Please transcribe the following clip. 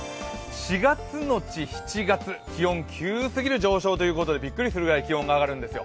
４月のち７月、気温急すぎる上昇ということで、びっくりするぐらい気温が上がるんですよ。